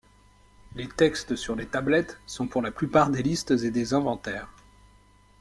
Les textes sur les tablettes sont pour la plupart des listes et des inventaires.